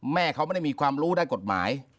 แม่เขาไม่ได้มีความรู้ด้านกฎหมาย